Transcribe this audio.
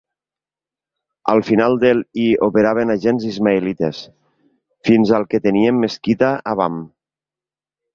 Al final del i operaven agents ismaïlites, fins al que tenien mesquita a Bam.